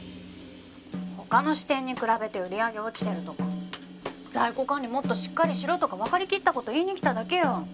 他の支店に比べて売り上げ落ちてるとか在庫管理もっとしっかりしろとかわかりきった事言いに来ただけよ。